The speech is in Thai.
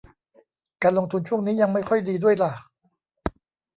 การลงทุนช่วงนี้ยังไม่ค่อยดีด้วยล่ะ